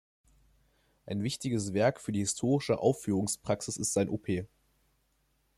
Ein wichtiges Werk für die historische Aufführungspraxis ist sein Op.